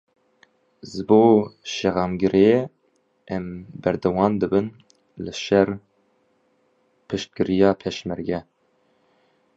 Ji bo seqamgiriyê em berdewam dibin li ser piştgiriya Pêşmerge.